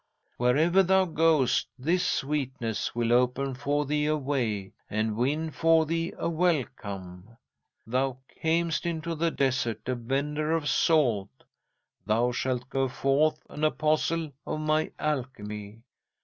"'"Wherever thou goest this sweetness will open for thee a way and win for thee a welcome. Thou camest into the desert a vender of salt. Thou shalt go forth an apostle of my alchemy.